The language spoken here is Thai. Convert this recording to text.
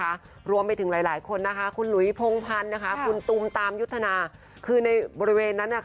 รวมไปถึงหลายหลายคนนะคะคุณหลุยพงพันธ์นะคะคุณตูมตามยุทธนาคือในบริเวณนั้น